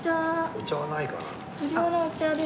お茶はないかな？